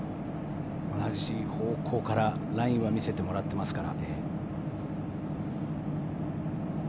同じ方向からラインは見せてもらっていますから。